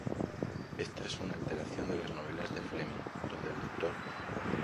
Esta es una alteración de las novelas de Fleming, donde el Dr.